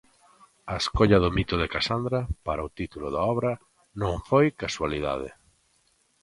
A escolla do mito de Casandra para o título da obra non foi casualidade.